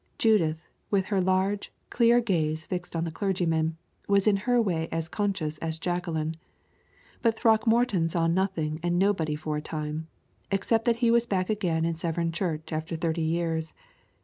Judith, with her large, clear gaze fixed on the clergyman, was in her way as conscious as Jacqueline. But Throckmorton saw nothing and nobody for a time, except that he was back again in Severn church after thirty years.